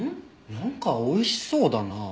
なんかおいしそうだなあ。